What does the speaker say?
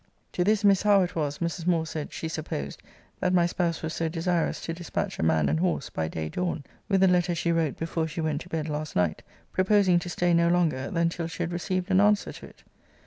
To this Miss Howe it was, Mrs. Moore said, she supposed, that my spouse was so desirous to dispatch a man and horse, by day dawn, with a letter she wrote before she went to bed last night, proposing to stay no longer than till she had received an answer to it.